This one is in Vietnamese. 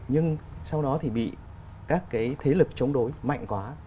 nhưng sau đó thì bị các cái thế lực chống đối mạnh quá